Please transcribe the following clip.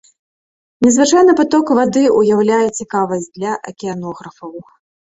Незвычайны паток вады ўяўляе цікавасць для акіянографаў.